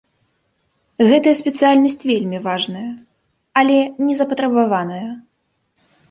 Гэтая спецыяльнасць вельмі важная, але незапатрабаваная.